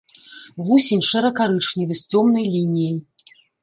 Вусень шэра-карычневы, з цёмнай лініяй.